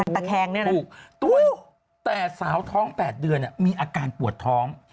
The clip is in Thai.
ตะแคงเนี่ยนะถูกแต่สาวท้อง๘เดือนมีอาการปวดท้อง